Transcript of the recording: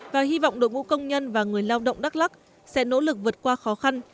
và hy vọng đội ngũ công nhân và người lao động đắk lắc sẽ nỗ lực vượt qua khó khăn